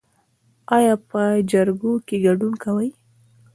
ایا په جرګو کې ګډون کوئ؟